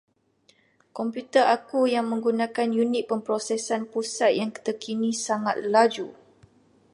Komputer aku yang menggunakan unit pemprosesan pusat yang terkini sangat laju.